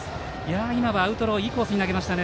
今はアウトローいいコースに投げましたね。